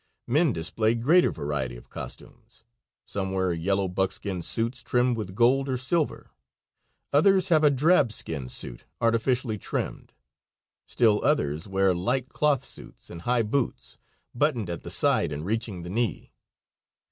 Men display greater variety of costumes: some wear yellow buckskin suits trimmed with gold or silver, others have a drab skin suit artistically trimmed, still others wear light cloth suits and high boots, buttoned at the side, and reaching the knee.